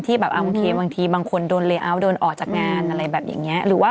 ที่แบบเอาครี่วังที่บางคนโดนเรียเอิ้อโอดออกจากงานอะไรแบบอย่างเงี้ยหรือว่า